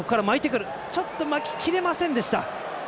ちょっと巻ききれませんでした。